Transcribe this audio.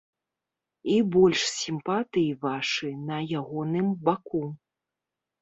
І больш сімпатыі вашы на ягоным баку.